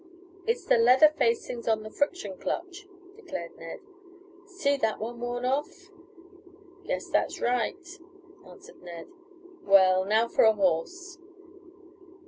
"It's the leather facings on the friction clutch," declared Ned. "See that one worn off?" "Guess that's right," answered Ned. "Well, now for a horse."